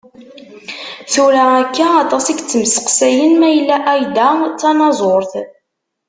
Tura akka, aṭas i yettmesteqsayen mayella Ai-Da d tanaẓurt.